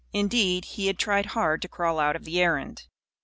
Indeed, he had tried hard to crawl out of the errand.